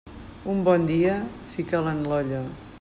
Un bon dia, fica'l en l'olla.